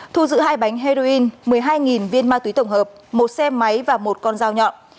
thu giữ hai bánh heroin một mươi hai viên ma túy tổng hợp một xe máy và một con dao nhọn